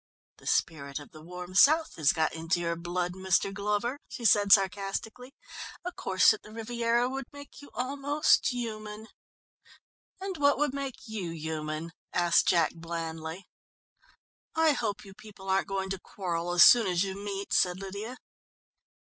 "The spirit of the warm south has got into your blood, Mr. Glover," she said sarcastically. "A course at the Riviera would make you almost human." "And what would make you human?" asked Jack blandly. "I hope you people aren't going to quarrel as soon as you meet," said Lydia.